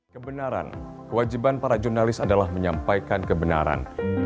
kebenaran kewajiban para jurnalis adalah menyampaikan kebenaran